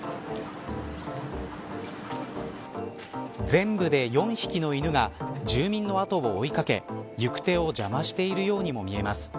全部で４匹の犬が住民の後を追いかけ行く手を邪魔しているようにも見えます。